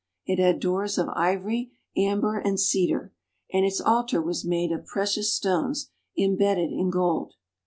It had doors of ivory, amber, and cedar, and its altar was made of precious stones, embedded in gold.